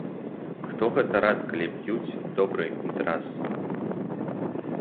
Хто гэта рад, калі б'юць, добры інтэрас!